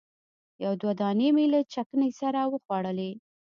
یو دوه دانې مې له چکني سره وخوړلې.